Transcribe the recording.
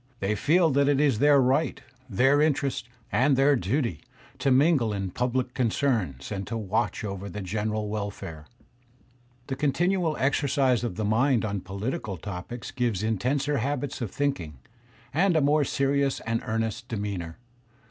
They feel that it is their right, their interest, and their duty, to mingle in pubUc concerns, and to watch over the general welfare. The continual exercise of the mind on political topics gives intenser habits of think ing, and a more serious and earnest demeanour.